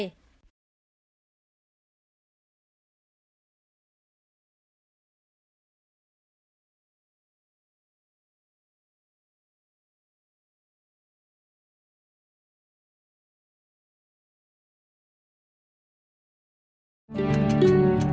phi công lượn theo phong trào tránh đưa bản thân vào tình huống nguy hiểm